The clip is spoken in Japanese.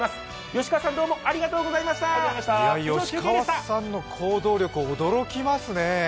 吉川さんの行動力、驚きますね。